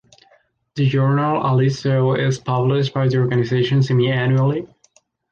The journal "Aliso" is published by the organization semiannually.